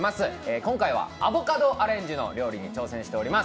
今回はアボカドアレンジの料理に挑戦しております。